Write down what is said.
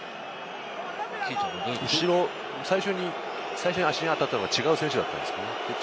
最初に足に当たったのが違う選手だったんじゃないですか？